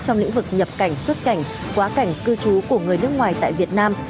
trong lĩnh vực nhập cảnh xuất cảnh quá cảnh cư trú của người nước ngoài tại việt nam